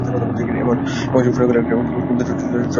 এমন সময় শোনা গেল একটা ক্রুদ্ধ চটিজুতার চটাচট শব্দ নিকটবর্তী হইতেছে।